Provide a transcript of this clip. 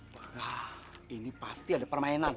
wah ini pasti ada permainan